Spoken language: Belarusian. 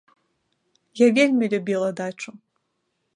Я вельмі любіла дачу.